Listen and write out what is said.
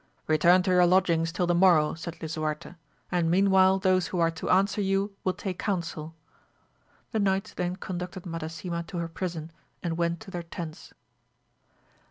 Return to your lodg ings till the morrow, said Lisuarte, and meanwhile those who are to answer you will take counsel. The knights then conducted Madasima to her prison and went to their tents.